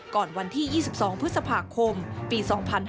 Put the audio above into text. วันที่๒๒พฤษภาคมปี๒๕๕๙